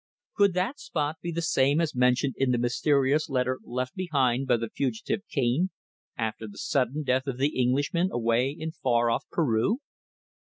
Could that spot be the same as mentioned in the mysterious letter left behind by the fugitive Cane after the sudden death of the Englishman away in far off Peru?